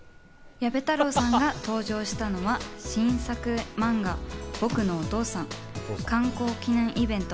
矢部太郎さんが登場したのは、新作漫画『ぼくのお父さん』刊行記念イベント。